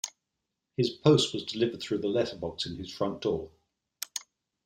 His post was delivered through the letterbox in his front door